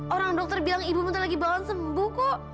orang dokter bilang ibu muntah lagi mohon sembuh kok